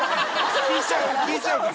聴いちゃうから。